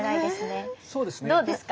え⁉どうですか？